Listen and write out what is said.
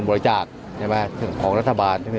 ตราบใดที่ตนยังเป็นนายกอยู่